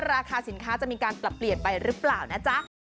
ราคาสินค้าจะมีการปรับเปลี่ยนไปหรือเปล่านะจ๊ะ